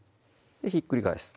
ひっくり返す